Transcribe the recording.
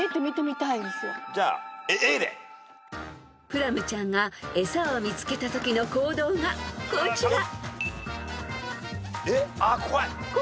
［プラムちゃんが餌を見つけたときの行動がこちら］